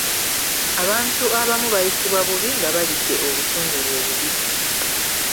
Abantu abamu bayisibwa bubi nga balidde obutungulu obubisi.